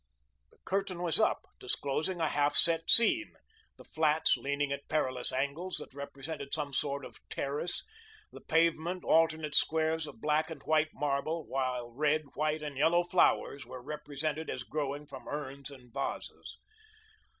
The curtain was up, disclosing a half set scene, the flats, leaning at perilous angles, that represented some sort of terrace, the pavement, alternate squares of black and white marble, while red, white, and yellow flowers were represented as growing from urns and vases.